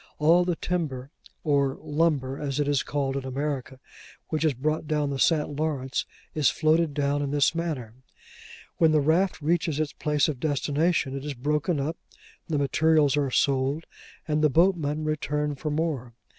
All the timber, or 'lumber,' as it is called in America, which is brought down the St. Lawrence, is floated down in this manner. When the raft reaches its place of destination, it is broken up; the materials are sold; and the boatmen return for more.